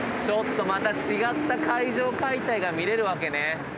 ちょっとまた違った階上解体が見れるわけね。